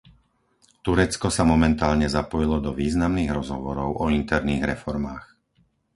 Turecko sa momentálne zapojilo do významných rozhovorov o interných reformách.